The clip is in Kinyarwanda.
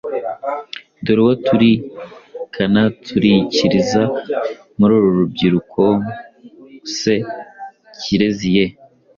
Dore uwo turikana turikiriza muri uru rubyiruko se Kirez, yeee